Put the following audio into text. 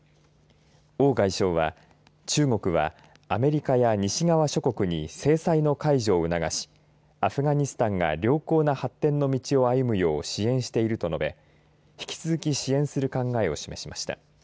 王外相は中国は、アメリカや西側諸国に制裁の解除を促しアフガニスタンが良好な発展の道を歩むよう支援していると述べ引き続き支援する考えを示しました。